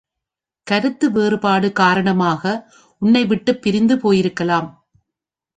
கருத்து வேறுபாடு காரணமாக உன்னைவிட்டுப் பிரிந்து போயிருக்கலாம்.